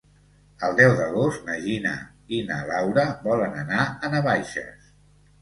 El deu d'agost na Gina i na Laura volen anar a Navaixes.